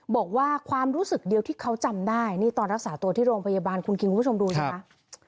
บอกว่าความรู้สึกเดียวที่เขาจำได้นี่ตอนรักษาตัวที่โรงพยาบาลคุณคิงคุณผู้ชมดูสิคะ